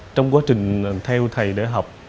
trong quá trình theo thầy để học